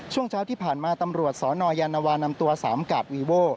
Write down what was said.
ช่วงเช้าที่ผ่านมาตำรวจสนยานวานำตัวสามกาดวีโว่